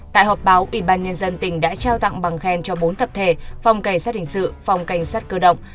tại họp báo ủy ban nhân dân tỉnh đã trao tặng bằng khen cho bốn tập thể phòng cảnh sát hình sự phòng cảnh sát cơ động